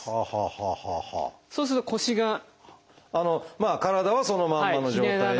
まあ体はそのまんまの状態で。